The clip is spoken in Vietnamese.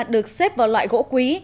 được xếp vào loại gỗ quý